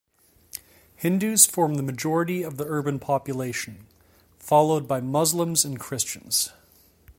Hindus form the majority of the urban population, followed by Muslims and Christians.